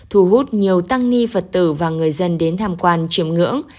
thu hút nhiều tăng ni phật tử và người dân đến tham quan chiếm ngưỡng